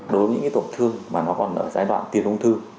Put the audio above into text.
đối với những tổn thương mà nó còn ở giai đoạn tiền ung thư